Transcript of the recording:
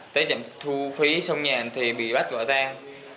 tới trạm thu phí sông nhạn thì bị bắt quả tàng